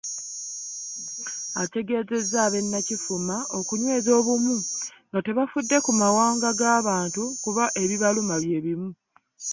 Ategeezezza ab’e Nakifuma okunyweza obumu nga tebafudde ku mawanga g’abantu kuba ebibaluma bye bimu.